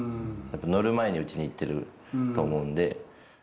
乗る前に打ちにいってると思うんで。